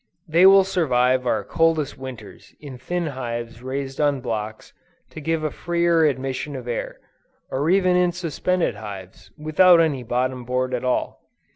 They will survive our coldest winters, in thin hives raised on blocks to give a freer admission of air, or even in suspended hives, without any bottom board at all.